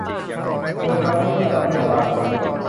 โดยครั้งนี้เป็นระดับเทศบาลเมือง